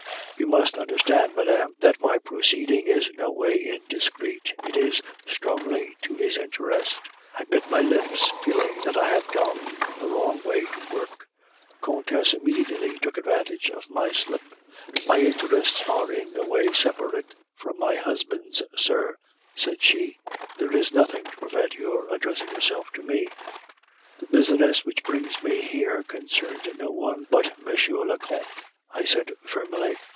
"'You must understand, madame, that my proceeding is no way indiscreet. It is strongly to his interest ' I bit my lips, feeling that I had gone the wrong way to work. The Countess immediately took advantage of my slip. "'My interests are in no way separate from my husband's, sir,' said she. 'There is nothing to prevent your addressing yourself to me ' "'The business which brings me here concerns no one but M. le Comte,' I said firmly.